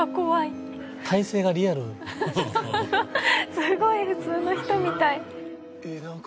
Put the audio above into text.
すごい普通の人みたい。